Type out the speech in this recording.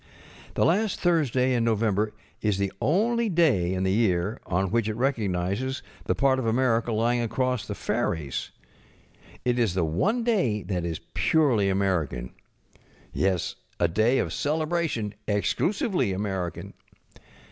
The last Thursday in November is the only day in the year on which it recognizes the part of America lying across the ferries. It is the one day that is purely American. Yes, a day of celebration, exclusively American.